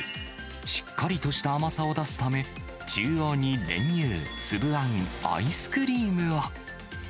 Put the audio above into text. しっかりとした甘さを出すため、中央に練乳、粒あん、アイスクリームを。